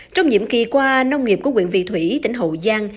trong nhiệm kỳ qua nông nghiệp của quyện vị thủy tỉnh hậu giang